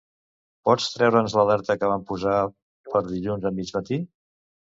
Pots treure'ns l'alerta que vam posar per dilluns a mig matí?